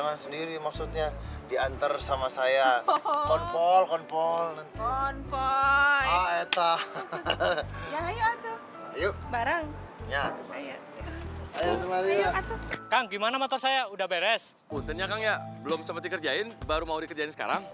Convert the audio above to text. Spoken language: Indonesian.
gimana ini kamu bisa seperti kerjain baru mau dikerjain sekarang